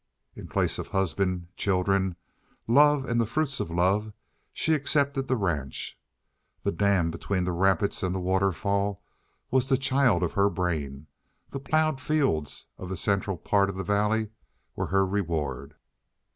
In place of husband, children love and the fruits of love she accepted the ranch. The dam between the rapids and the waterfall was the child of her brain; the plowed fields of the central part of the valley were her reward.